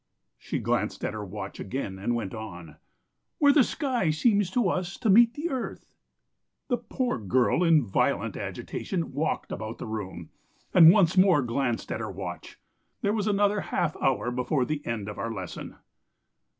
...' She glanced at her watch again and went on: 'where the sky seems to us to meet the earth. ...' "The poor girl in violent agitation walked about the room, and once more glanced at her watch. There was another half hour before the end of our lesson.